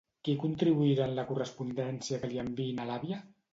Qui contribuirà en la correspondència que li enviïn a l'àvia?